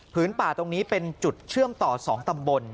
ป่าตรงนี้เป็นจุดเชื่อมต่อ๒ตำบล